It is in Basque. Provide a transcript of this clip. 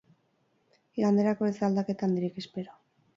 Iganderako ez da aldaketa handirik espero.